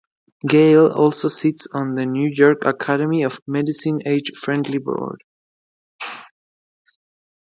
Gale also sits on the New York Academy of Medicine's Age-Friendly Board.